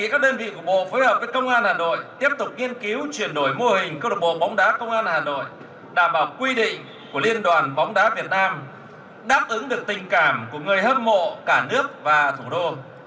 các đơn vị của bộ phối hợp với công an hà nội tiếp tục nghiên cứu chuyển đổi mô hình câu lạc bộ bóng đá công an hà nội đảm bảo quy định của liên đoàn bóng đá việt nam đáp ứng được tình cảm của người hâm mộ cả nước và thủ đô